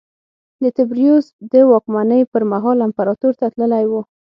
د تبریوس د واکمنۍ پرمهال امپراتور ته تللی و